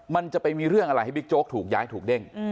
มันจะไปมีเรื่องอะไรให้บิ๊กโจ๊กถูกย้ายถูกเด้ง